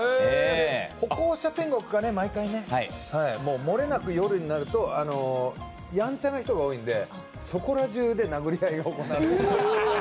歩行者天国が毎回ね、もれなく夜になると、やんちゃな人が多いのでそこらじゅうで殴り合いが行われる。